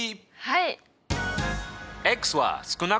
はい！